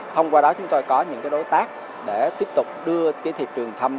thông qua đó chúng tôi có những cái đối tác để tiếp tục đưa cái thị trường thăm